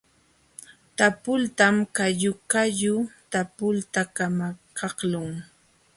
Talpuytam qalluqallu talpuyta kamakaqlun.